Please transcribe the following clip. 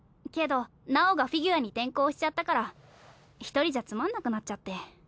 けど尚がフィギュアに転向しちゃったから１人じゃつまんなくなっちゃって。